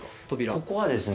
ここはですね